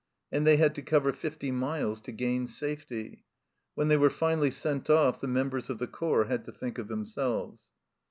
And they had to cover fifty miles to gain safety ! When they were finally sent off the members of the corps had to think of themselves.